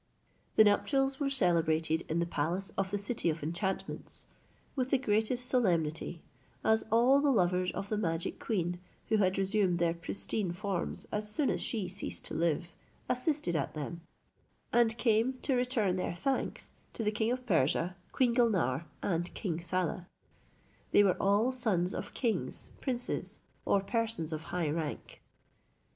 The nuptials were celebrated in the palace of the City of Enchantments, with the greatest solemnity, as all the lovers of the magic queen, who had resumed their pristine forms as soon as she ceased to live, assisted at them, and came to return their thanks to the king of Persia, Queen Gulnare, and King Saleh. They were all sons of kings, princes, or persons of high rank.